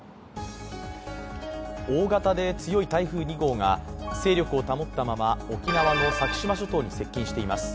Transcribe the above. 大型で強い台風２号が勢力を保ったまま沖縄の先島諸島に接近しています。